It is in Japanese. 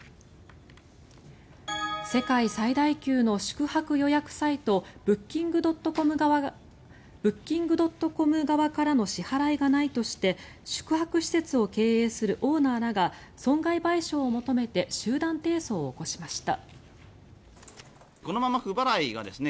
世界最大級の宿泊予約サイトブッキングドットコム側からの支払いがないとして宿泊施設を経営するオーナーらが損害賠償を求めて集団提訴を起こしました。